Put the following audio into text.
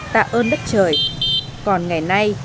tạ ơn đất trời còn ngày nay